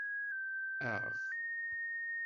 Aɣ!